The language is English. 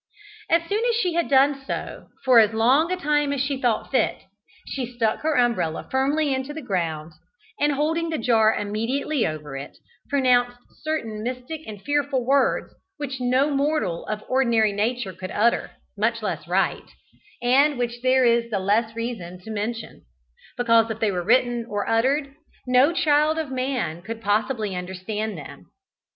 As soon as she had done so for as long a time as she thought fit, she stuck her umbrella firmly into the ground, and holding the jar immediately over it, pronounced certain mystic and fearful words, which no mortal of ordinary nature could utter, much less write, and which there is the less reason to mention, because if they were written or uttered, no child of man could possibly understand them.